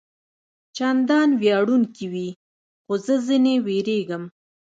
چندان ویجاړوونکي وي، خو زه ځنې وېرېږم.